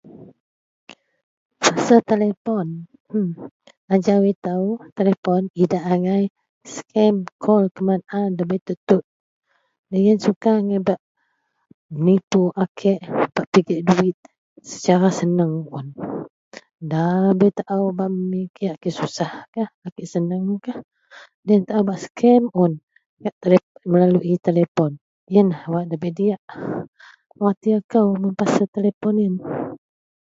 Pasal telefon ajau ito telefon idak angai scam call keman a debai tentu lo yian suka idak menipu a kei pigek duit secara senang da bei tau a bei susahkah senang lo yian tau bak scam un yian wak debai diak watir ko telefon yian.